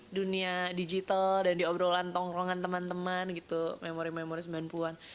dunia digital dan di obrolan tongkrongan teman teman gitu memori memori sembilan puluh an